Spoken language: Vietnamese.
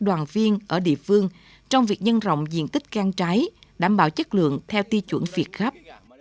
đoàn viên ở địa phương trong việc nhân rộng diện tích can trái đảm bảo chất lượng theo ti chuẩn phiệt khắp